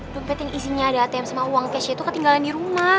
dompet yang isinya ada atm sama uang cash itu ketinggalan di rumah